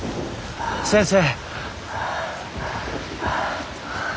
先生。